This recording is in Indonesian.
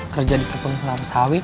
kerja di ketun pelar sawit